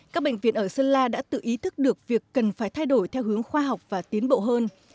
các bệnh viện ở sơn la đã tự ý thức được việc cần phải thay đổi theo hướng khoa học và tiến bộ hơn